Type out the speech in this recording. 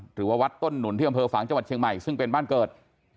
หรือว่าวัดต้นหนุนที่อำเภอฝังจังหวัดเชียงใหม่ซึ่งเป็นบ้านเกิด